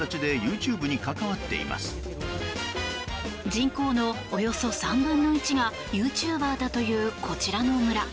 人口のおよそ３分の１がユーチューバーだというこちらの村。